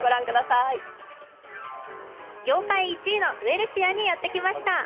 業界１位のウエルシアにやってきました。